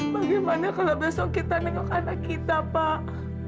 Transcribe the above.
bagaimana kalau besok kita nengok anak kita pak